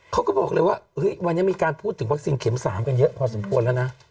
เขาก็บอกเลยว่าวันนี้มีการพูดถึงวัคซีนเข็ม๓กันเยอะพอสมควรแล้วนะ